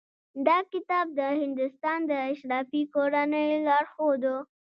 دا کتاب د هندوستان د اشرافي کورنیو لارښود و.